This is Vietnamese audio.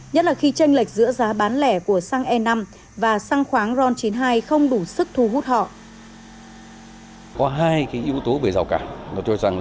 nhất là khi tranh lệch giữa giá bán lẻ của xăng e năm và xăng khoáng ron chín mươi hai không đủ sức thu hút họ